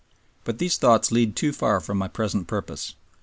But these thoughts lead too far from my present purpose.